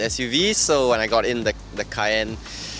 jadi ketika saya membeli cayenne